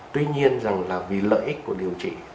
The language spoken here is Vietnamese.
tuy nhiên rằng là vì lợi ích của điều trị